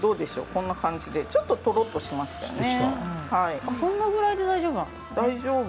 こんな感じでちょっと、とろっとしましたね。